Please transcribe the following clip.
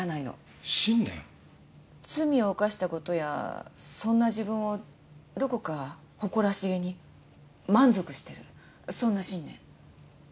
罪を犯した事やそんな自分をどこか誇らしげに満足してるそんな信念。